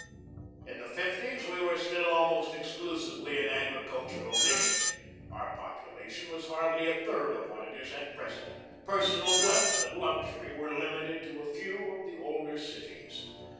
In the fifties we were still almost exclusively an agricultural nation. Our population was hardly a third of what it is at present. Personal wealth and luxury were limited to a few of the older cities.